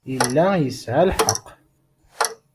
Yella yesɛa lḥeqq.